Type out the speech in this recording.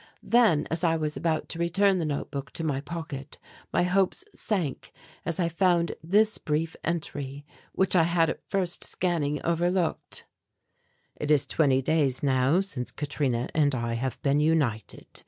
Then, as I was about to return the notebook to my pocket, my hopes sank as I found this brief entry which I had at first scanning overlooked: "It is twenty days now since Katrina and I have been united.